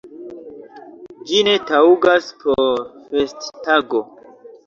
Ĝi ne taŭgas por festtago!